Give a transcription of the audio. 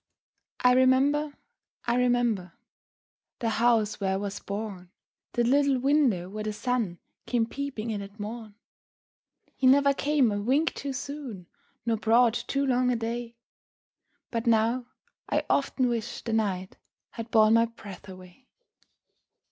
I remember, I remember, The house where I was born, The little window where the sun Came peeping in at morn; He never came a wink too soon, Nor brought too long a day, But now, I often wish the night Had borne my breath away!